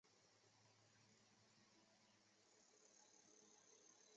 穆利特努是巴西南大河州的一个市镇。